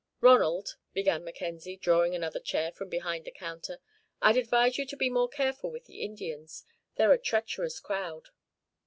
"Ronald," began Mackenzie, drawing another chair from behind the counter, "I'd advise you to be more careful with the Indians. They're a treacherous crowd."